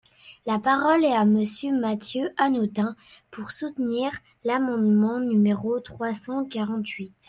La parole est à Monsieur Mathieu Hanotin, pour soutenir l’amendement numéro trois cent quarante-huit.